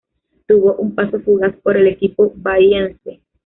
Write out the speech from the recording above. Tuvo un paso fugaz por el equipo Bahiense.